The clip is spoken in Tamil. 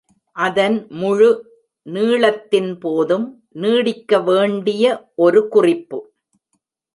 அதன் முழு நீளத்தின்போதும் நீடிக்கவேண்டிய ஒரு குறிப்பு.